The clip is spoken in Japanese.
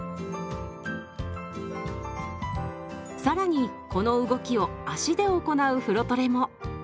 更にこの動きを足で行う風呂トレも。